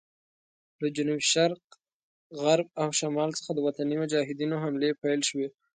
له جنوب شرق، غرب او شمال څخه د وطني مجاهدینو حملې پیل شوې.